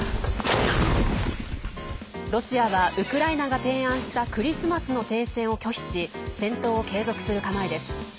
ロシアはウクライナが提案したクリスマスの停戦を拒否し戦闘を継続する構えです。